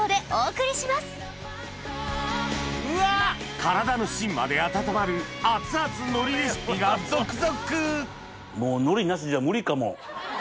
体のしんまで温まる熱々海苔レシピが続々！